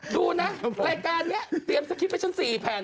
ดูนะรายการนี้เตรียมสะคริบไปชั้นสี่แผ่น